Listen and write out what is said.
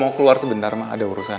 aku mau keluar sebentar ma ada urusan